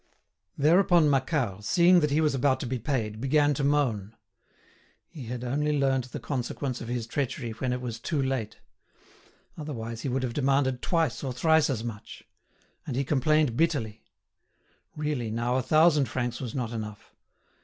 Thereupon Macquart, seeing that he was about to be paid, began to moan. He had only learnt the consequence of his treachery when it was too late; otherwise he would have demanded twice or thrice as much. And he complained bitterly. Really now a thousand francs was not enough.